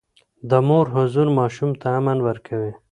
د مور حضور ماشوم ته امن ورکوي.